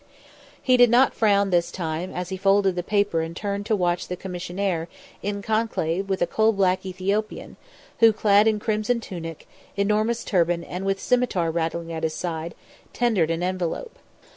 He did not frown this time as he folded the paper and turned to watch the commissionaire in conclave with a coal black Ethiopian who, clad in crimson tunic, enormous turban and with scimitar rattling at his side, tendered an envelope.